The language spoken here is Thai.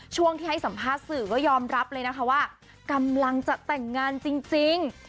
ช่วงที่ให้สัมภาษณ์สื่อก็ยอมรับเลยนะคะว่ากำลังจะแต่งงานจริง